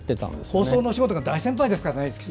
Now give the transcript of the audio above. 放送の仕事は大先輩ですからね。